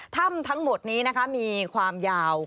ถ้ำทั้งหมดนี้นะคะมีความยาว